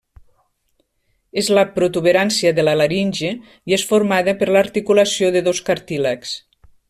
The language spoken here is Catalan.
És la protuberància de la laringe i és formada per l'articulació de dos cartílags.